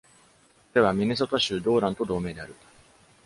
彼はミネソタ州ドーランと同名である。